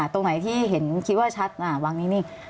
ตรงไหนที่เห็นคิดว่าชัดวังนี้นี่